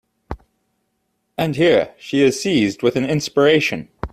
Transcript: And here, she is seized with an inspiration.